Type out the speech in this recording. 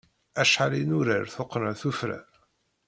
Acḥal i nurar tuqqna tuffra!